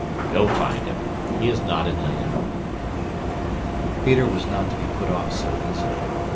"Go find him. He is not in Leyden." Peter was not to be put off so easily.